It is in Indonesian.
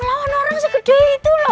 bisa melawan orang segede itu loh